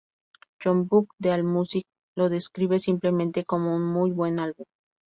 John Book, de Allmusic, lo describe simplemente como "un muy buen álbum".